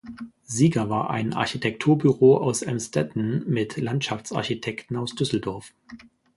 Sieger war ein Architekturbüro aus Emsdetten mit Landschaftsarchitekten aus Düsseldorf.